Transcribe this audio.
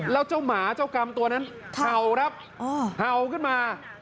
แล้วเจ้าหมาเจ้ากรรมตัวนั้นเห่าครับเห่าขึ้นมา